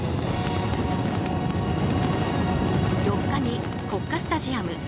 ４日に国家スタジアム